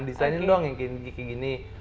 desainnya doang yang kayak gini